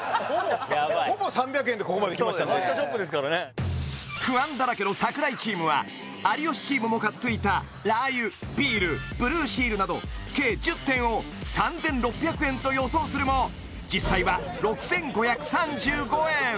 やばいほぼ３００円でここまで来ました不安だらけの櫻井チームは有吉チームも買っていたラー油ビールブルーシールなど計１０点を３６００円と予想するも実際は６５３５円